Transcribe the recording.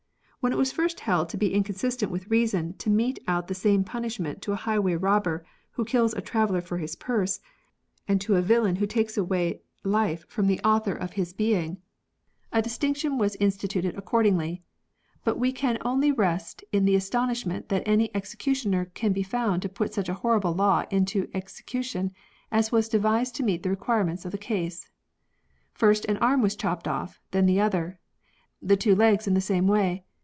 When it was first held to be inconsistent with reason to mete out the same punishment to a highway robber who kills a traveller for his purse, and to the villain who takes away life from the author of TORTURE. 135 his being, a distinction was instituted accordingly, but ■\ve can only rest in astonishment that any executioner could be found to put such a horrible law into execu tion as was devised to meet the requirements of the case. First an arm was chopped ofi", then the other : the two legs in the same way.